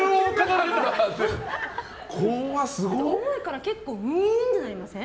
思いから結構グィーンってなりません？